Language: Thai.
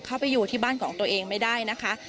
ไปอยู่ที่บ้านของตัวเองไม่ได้นะคะ